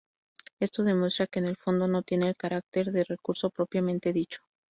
Esto demuestra que en el fondo no tiene el carácter de recurso propiamente dicho.